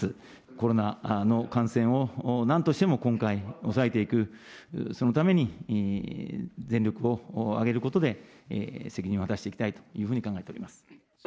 コロナの感染をなんとしても今回、抑えていく、そのために全力を挙げることで、責任を果たしていきたいというふうに考えております。